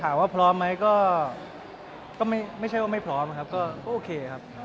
ถามว่าพร้อมไหมก็ไม่ใช่ว่าไม่พร้อมครับก็โอเคครับ